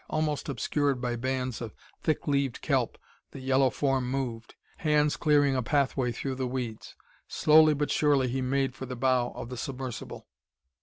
Almost obscured by bands of thick leaved kelp the yellow form moved, hands clearing a pathway through the weeds. Slowly but surely he made for the bow of the submersible.